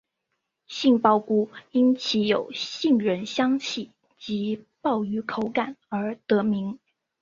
杏鲍菇因其有杏仁香气及鲍鱼口感而得名。